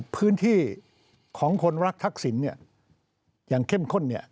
พื้นที่ของคนรักทักษิณอย่างเข้มข้น